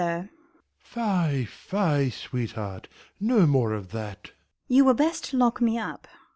Fie, fie, sweetheart, No more of that. Isa. You were best lock me up.